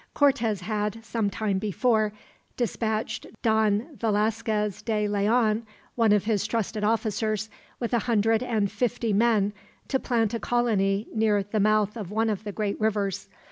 Cortez had, some time before, dispatched Don Velasquez de Leon, one of his trusted officers, with a hundred and fifty men, to plant a colony near the mouth of one of the great rivers.